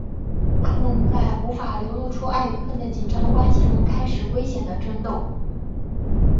他们在无法流露出爱与恨的紧张关系中开始危险的争斗。